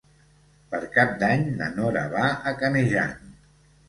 Per Cap d'Any na Nora va a Canejan.